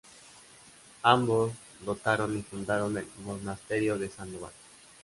Ambos dotaron y fundaron el Monasterio de Sandoval.